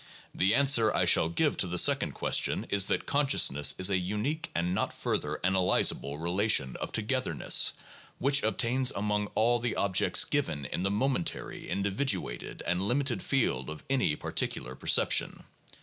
The answer I shall give to the second question is that "consciousness is a unique and not further analyzable relation of 'togetherness' which obtains among all the objects given in the momentary, individ uated, and limited field of any particular perception."